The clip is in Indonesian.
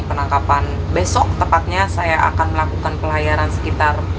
penangkapan besok tepatnya saya akan melakukan pelayaran sekitar